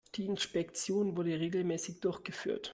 Die Inspektion wurde regelmäßig durchgeführt.